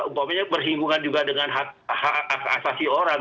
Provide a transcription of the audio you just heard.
maka peringungan dengan hak asasi orang